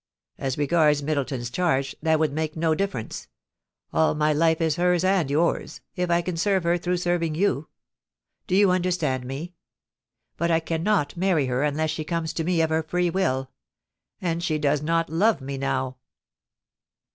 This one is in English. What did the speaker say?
As regards Middleton's chaise, that would make no difference. All my life is hers and yours — if I can serve her through serving you. Do you understand me? But I can not many her unless she comes to me of her free will ; and she does not love me now.'